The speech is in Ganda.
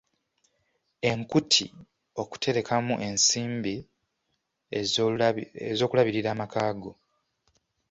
Enkuti okuterekamu ensimbi ez’okulabirira amaka ago.